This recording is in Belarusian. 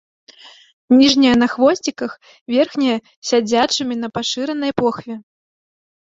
Ніжнія на хвосціках, верхнія сядзячымі на пашыранай похве.